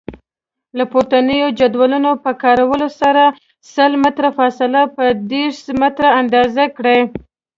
له پورتنیو جدولونو په کارولو سره سل متره فاصله په ډیسي متره اندازه کړئ.